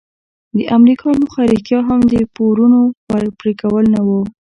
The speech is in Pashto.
د امریکا موخه رښتیا هم د پورونو پریکول نه وو.